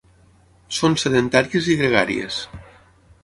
Són sedentàries i gregàries.